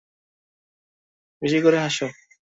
বেশি করে হাসো!